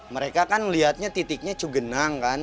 mereka kan melihatnya titiknya cugenang kan